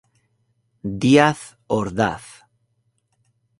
Díaz Ordaz.